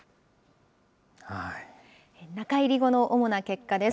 中入り後の主な結果です。